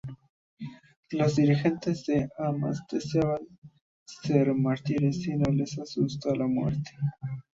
Los dirigentes de Hamas desean ser mártires y no les asusta la muerte.